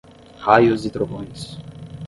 Raios e trovões